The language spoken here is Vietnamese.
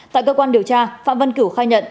tại cơ quan điều tra phạm văn kiểu khai nhận